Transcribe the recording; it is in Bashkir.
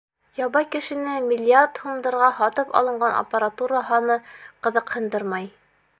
— Ябай кешене миллиард һумдарға һатып алынған аппаратура һаны ҡыҙыҡһындырмай.